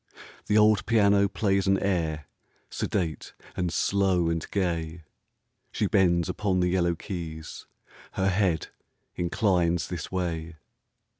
■ The old piano plays an air, ,' Sedate and slow and gay ; i She bends upon the yellow keys, >> Her head inclines this way.